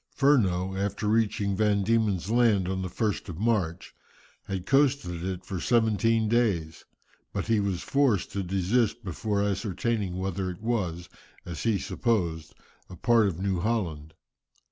Furneaux, after reaching Van Diemen's Land on the 1st of March, had coasted it for seventeen days, but he was forced to desist before ascertaining whether it was, as he supposed, a part of New Holland.